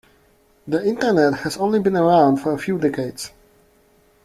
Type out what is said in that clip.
The internet has only been around for a few decades.